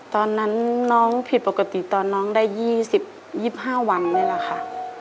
ตอนนั้นน้องผิดปกติตอนน้องได้๒๕วันนี่แหละค่ะ